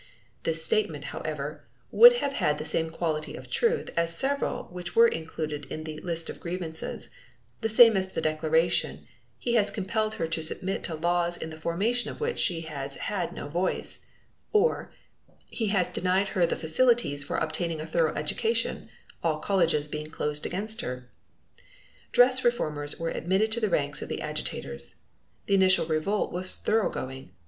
This statement, however, would have had the same quality of truth as several which were included in the "List of Grievances"; the same as the declaration: "He has compelled her to submit to laws in the formation of which she has had no voice," or, "He has denied her the facilities for obtaining a thorough education, all colleges being closed against her." Dress reformers were admitted to the ranks of the agitators. The initial revolt was thoroughgoing.